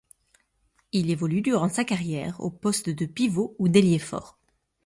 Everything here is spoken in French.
Il évolue durant sa carrière aux postes de pivot ou d'ailier fort.